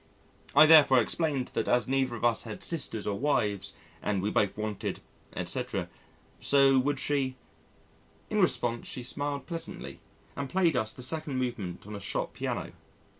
I therefore explained that as neither of us had sisters or wives, and we both wanted, etc.... so would she...? In response, she smiled pleasantly and played us the second movement on a shop piano.